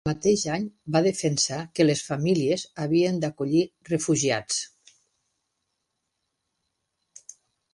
El mateix any va defensar que les famílies havien d'acollir refugiats.